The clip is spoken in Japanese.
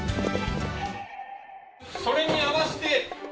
それに合わせて。